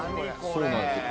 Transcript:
そうなんですよ。